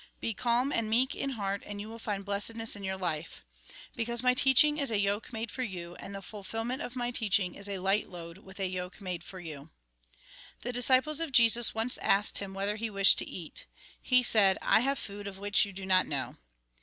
Be calm and meek in heart, and you will find blessedness in your life. Because my teaching is a yoke made for you, and the fulfilment of my teaching is a light load, with a yoke made for you." 61 62 THE GOSPEL IN BRIEF The disciples of Jesus once asked him whether he wished to eat. He said :" I have food of which you do not know."